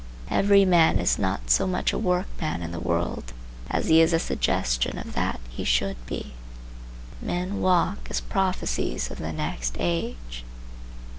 Every man is not so much a workman in the world as he is a suggestion of that he should be. Men walk as prophecies of the next age.